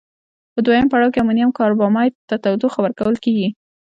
په دویم پړاو کې امونیم کاربامیت ته تودوخه ورکول کیږي.